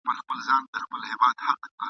نه یې هیله د آزادو الوتلو !.